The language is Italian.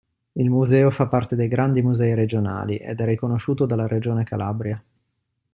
Il museo fa parte dei grandi musei regionali, ed è riconosciuto dalla Regione Calabria.